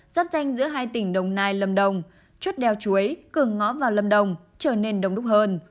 một trăm bốn mươi hai giáp danh giữa hai tỉnh đồng nai lâm đồng chốt đeo chuối cường ngõ vào lâm đồng trở nên đông đúc hơn